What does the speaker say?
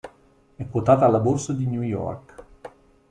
È quotata alla Borsa di New York.